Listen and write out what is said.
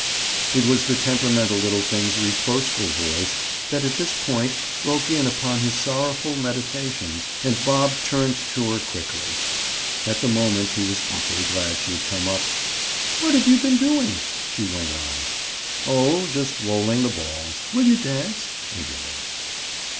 It was the temperamental little thing's reproachful voice that at this point broke in upon his sorrowful meditations, and Bob turned to her quickly. At the moment he was awfully glad she had come up. "What have you been doing?" she went on. "Oh, just rolling the balls. Will you dance?" Eagerly.